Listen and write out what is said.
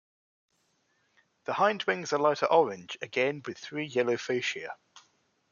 The hindwings are lighter orange, again with three yellow fascia.